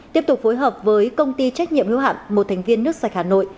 tiếp tục phối hợp với công ty trách nhiệm hiếu hạn một thành viên nước sạch hà nội